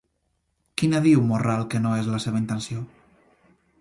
Quina diu Morral que no és la seva intenció?